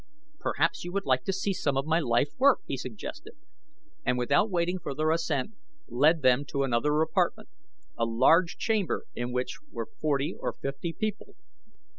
"Perhaps you would like to see some of my life work," he suggested, and without waiting for their assent led them to another apartment, a large chamber in which were forty or fifty people.